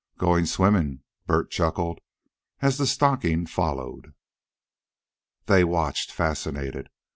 "Goin' swimming," Bert chuckled, as the stocking followed. They watched, fascinated.